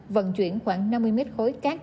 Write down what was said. vận chuyển khoảng năm mươi m khối cát